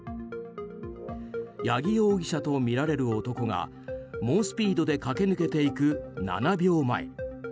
八木容疑者とみられる男が猛スピードで駆け抜けていく７秒前。